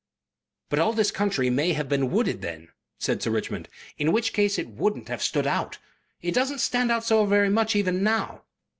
"But all this country may have been wooded then," said Sir Richmond. "In which case it wouldn't have stood out. It doesn't stand out so very much even now."